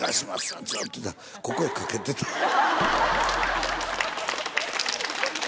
ここへ掛けててん。